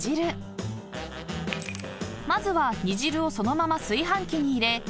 ［まずは煮汁をそのまま炊飯器に入れ］